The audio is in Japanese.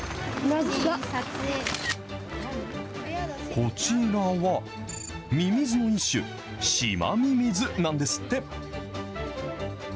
こちらは、ミミズの一種、シマミミズなんですって。